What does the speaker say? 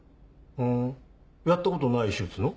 ふんやったことない手術の？